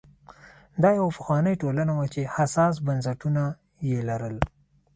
دا یوه پخوانۍ ټولنه وه چې حساس بنسټونه یې لرل.